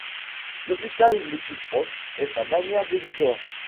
L’hôpital le plus proche est à Bagneres-de-Bigorre.